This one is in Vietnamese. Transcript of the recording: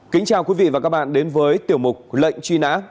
kính chào quý vị và các bạn đến với tiểu mục lệnh truy nã